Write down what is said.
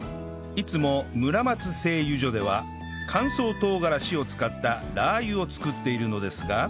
いつも村松製油所では乾燥唐辛子を使ったラー油を作っているのですが